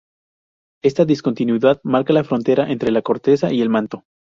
Esta discontinuidad marca la frontera entre la corteza y el manto.